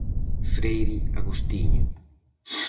Freire agostiño.